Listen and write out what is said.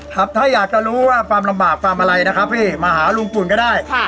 ครับถ้าอยากจะรู้ว่าความลำบากฟาร์มอะไรนะครับพี่มาหาลุงปุ่นก็ได้